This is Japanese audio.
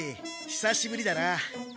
ひさしぶりだな。